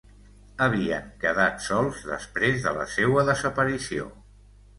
Havien quedat sols després de la seua desaparició.